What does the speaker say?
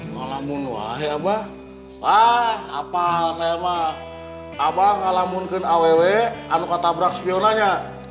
ngalamun wah ya abah lah apa hal saya mah abah ngalamunkan aww anu kata brakspionanya